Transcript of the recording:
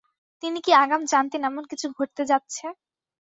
তিনি কি আগাম জানতেন এমন কিছু ঘটতে যাচ্ছে?